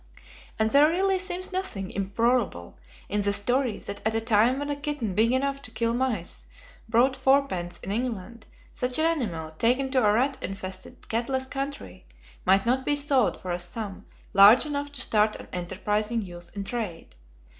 And there really seems nothing improbable in the story that at a time when a kitten big enough to kill mice brought fourpence in England, such an animal, taken to a rat infested, catless country, might not be sold for a sum large enough to start an enterprising youth in trade.